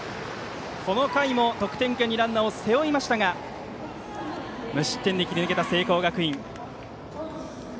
この回も得点圏にランナーを背負いましたが無失点で切り抜けた聖光学院。